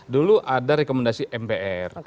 dulu ada rekomendasi mpr